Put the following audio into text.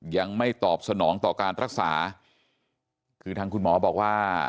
ยังไม่ตอบสนองต่อการรักษาคือทางคุณหมอบอกว่า